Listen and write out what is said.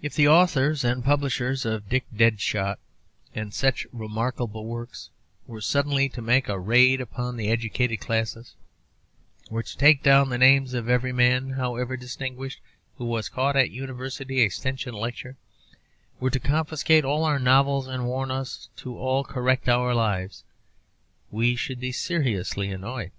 If the authors and publishers of 'Dick Deadshot,' and such remarkable works, were suddenly to make a raid upon the educated class, were to take down the names of every man, however distinguished, who was caught at a University Extension Lecture, were to confiscate all our novels and warn us all to correct our lives, we should be seriously annoyed.